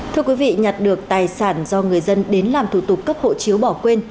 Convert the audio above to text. thưa quý vị nhặt được tài sản do người dân đến làm thủ tục cấp hộ chiếu bỏ quên